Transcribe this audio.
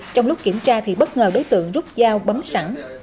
trong lúc kiểm tra thì bất ngờ đối tượng rút dao bấm sẵn